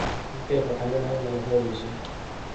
柿食えば鐘が鳴るなり法隆寺